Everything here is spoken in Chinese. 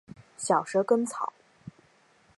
小蛇根草